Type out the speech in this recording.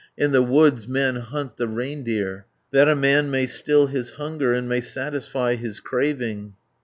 In the woods men hunt the reindeer, That a man may still his hunger, And may satisfy his craving.